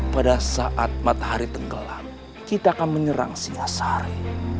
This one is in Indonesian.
pada saat matahari tenggelam kita akan menyerang singasari